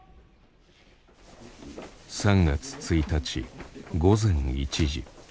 ３月１日午前１時。